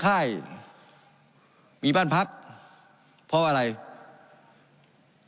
การปรับปรุงทางพื้นฐานสนามบิน